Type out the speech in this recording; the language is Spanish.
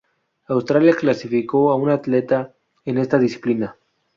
Australia clasificó a una atleta en esta disciplina.